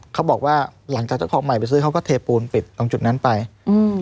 เขาบอกว่าหลังจากเจ้าของใหม่ไปซื้อเขาก็เทปูนปิดตรงจุดนั้นไปอืม